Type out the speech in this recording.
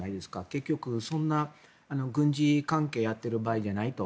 結局そんな軍事関係をやっている場合じゃないと。